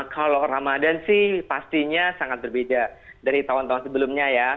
kalau ramadan sih pastinya sangat berbeda dari tahun tahun sebelumnya ya